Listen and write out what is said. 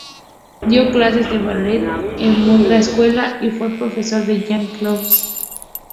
Dio clases de ballet en Mudra Escuela, y fue profesor de Jean-Claude van Damme.